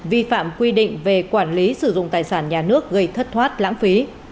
vi phạm quy định về quản lý sử dụng tài sản nhà nước gây thất thoát lãng phí